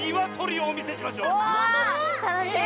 たのしみ！